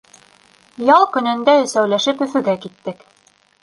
Ял көнөндә өсәүләшеп Өфөгә киттек.